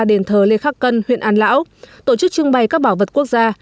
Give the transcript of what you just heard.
đền thờ lê khắc cân huyện an lão tổ chức trưng bày các bảo vật quốc gia